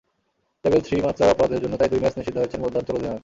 Level three মাত্রার অপরাধের জন্য তাই দুই ম্যাচ নিষিদ্ধ হয়েছেন মধ্যাঞ্চল অধিনায়ক।